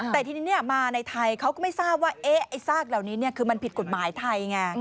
แต่ทีนี้มาในไทยเขาก็ไม่ทราบว่าไอ้ซากเหล่านี้คือมันผิดกฎหมายไทยไง